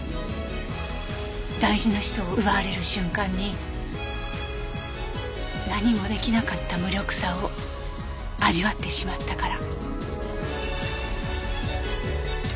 大事な人を奪われる瞬間に何も出来なかった無力さを味わってしまったから。